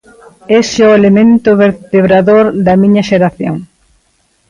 Ese é o elemento vertebrador da miña xeración.